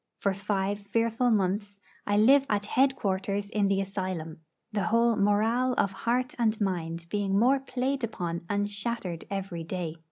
For five fearful months I lived at head quarters in the asylum, the whole morale of heart and mind being more played upon and shattered every day.